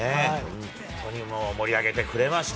本当に盛り上げてくれました。